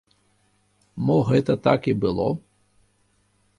Мо гэта так і было?